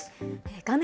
画面